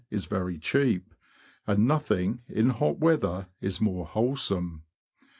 is very cheap, and nothing, in hot weather, is more wholesome.